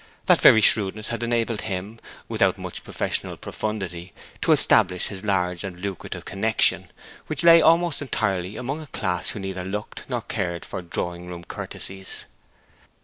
That very shrewdness had enabled him, without much professional profundity, to establish his large and lucrative connexion, which lay almost entirely among a class who neither looked nor cared for drawing room courtesies.